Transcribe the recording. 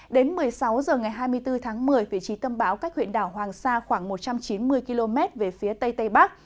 đến một mươi sáu h ngày hai mươi bốn tháng một mươi vị trí tâm báo cách huyện đảo hoàng sa khoảng một trăm chín mươi km về phía tây tây bắc